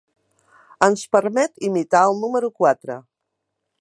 Ens permet imitar el número quatre.